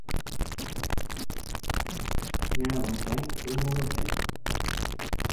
Nhà vắng tanh, quân mô đâu hết